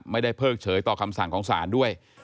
ไม่ได้เพิ่งเฉยต่อคำสั่งของศาลด้วย